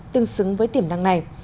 tương xứng với tiềm năng này